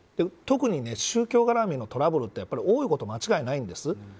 特に、宗教絡みのトラブルって多いことは間違いないんです。